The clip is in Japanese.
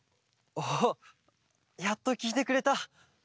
おっやっときいてくれた。